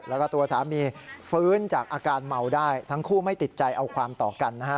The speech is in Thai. แล้วก็ตัวสามีฟื้นจากอาการเมาได้ทั้งคู่ไม่ติดใจเอาความต่อกันนะฮะ